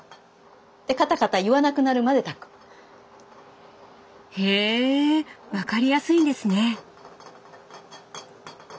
でカタカタ言わなくなるまで炊く。へ分かりやすいんですね。